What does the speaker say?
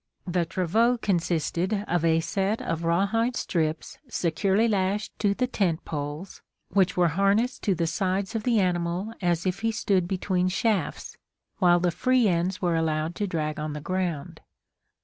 The travaux consisted of a set of rawhide strips securely lashed to the tent poles, which were harnessed to the sides of the animal as if he stood between shafts, while the free ends were allowed to drag on the ground.